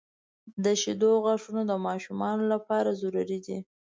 • د شیدو غاښونه د ماشومانو لپاره ضروري دي.